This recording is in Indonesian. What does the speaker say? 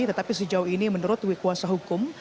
tetapi sejauh ini menurut pihak kuasa hukum